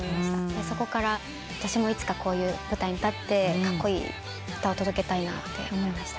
でそこから私もいつかこういう舞台に立ってカッコイイ歌を届けたいなと思いました。